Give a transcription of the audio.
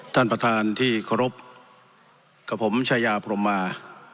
ท่านประธานที่เคารพกับผมชายาพรมมา